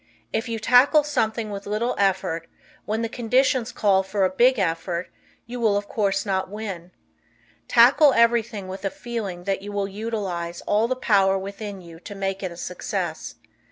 If you tackle something with little effort, when the conditions call for a big effort, you will of course not win. Tackle everything with a feeling that you will utilize all the power within you to make it a success.